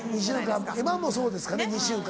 ２週間今もそうですかね２週間。